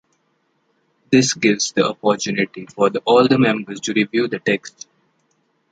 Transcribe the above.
This gives the opportunity for all members to review the text.